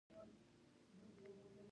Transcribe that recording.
باز خورا مستعد مرغه دی